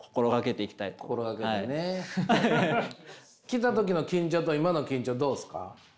来た時の緊張と今の緊張どうですか？